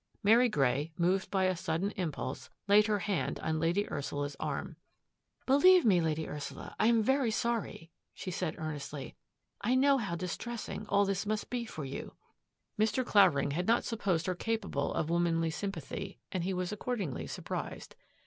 Mary Grey, moved by a sudden impulse, laid her hand on Lady Ursula's arm. " Believe me. Lady Ursula, I am very sorry," she said earnestly. ^^ I know how distressing all this must be for you." THE DRESSING TABLE DRAWER 106 Mr. Clavering had not supposed her capable of womanly sjnnpathy and he was accordingly sur prised.